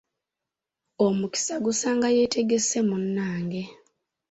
Omukisa gusanga yeetegesse munange!